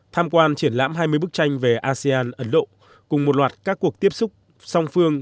tham quan triển lãm hai mươi bức tranh về asean ấn độ cùng một loạt các cuộc tiếp xúc song phương